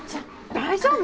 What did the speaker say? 大丈夫！？